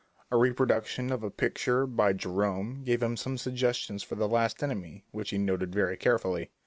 A reproduction of a picture by Gérome gave him some suggestions for the "Last Enemy," which he noted very carefully.